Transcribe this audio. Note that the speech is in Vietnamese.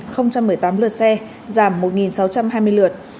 vào chủ nhật hoạt động một mươi năm một mươi tám lượt xe giảm một sáu trăm hai mươi lượt